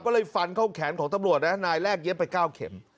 ก็เลยฟันเข้าแขนของตำรวจนะนายแรกเย็บไป๙เข็ม